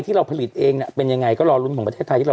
ที่เราผลิตเองเป็นยังไงก็รอลุ้นของประเทศไทยที่เรา